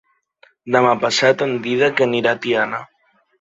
Demà passat en Dídac anirà a Tiana.